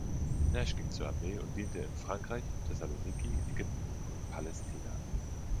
Nash ging zur Armee und diente in Frankreich, Thessaloniki, Ägypten und Palästina.